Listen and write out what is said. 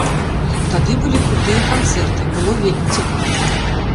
Тады былі крутыя канцэрты, было вельмі цікава.